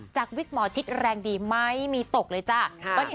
จากวิกมอทิศแรงดีไหมมีตกเลยจ้ะค่ะ